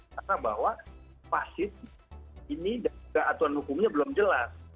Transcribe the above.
karena bahwa pasti ini aturan hukumnya belum jelas